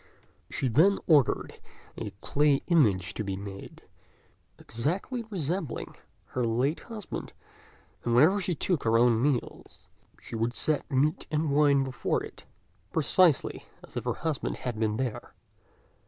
She then ordered a clay image to be made, exactly resembling her late husband; and whenever she took her own meals, she would set meat and wine before it, precisely as if her husband had been there.